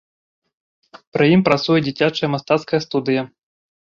Пры ім працуе дзіцячая мастацкая студыя.